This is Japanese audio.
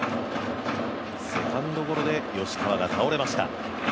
セカンドゴロで吉川が倒れました。